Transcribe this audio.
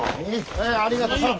はいありがとさん。